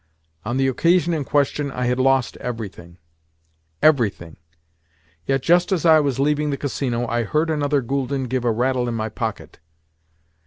On the occasion in question I had lost everything—everything; yet, just as I was leaving the Casino, I heard another gülden give a rattle in my pocket!